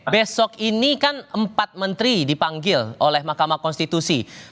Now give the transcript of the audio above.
besok ini kan empat menteri dipanggil oleh mahkamah konstitusi